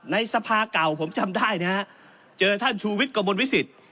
ในสภาเก่าผมจำได้นะฮะเจอท่านชูวิทย์กระมวลวิสิต